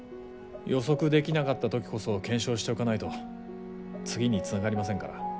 予測できなかった時こそ検証しておかないと次につながりませんから。